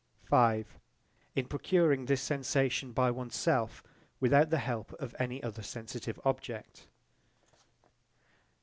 In procuring this sensation by one's self without the help of any other sensitive object.